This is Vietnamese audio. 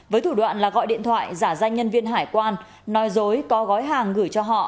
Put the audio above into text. với thủ đoạn là gọi điện thoại giả danh nhân viên hải quan nói dối có gói hàng gửi cho họ